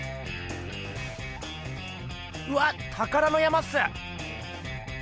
うわったからの山っす！